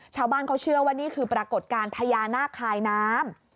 ชาวบ้านเขาเชื่อว่านี่คือปรากฏการณ์พญานาคคายน้ำ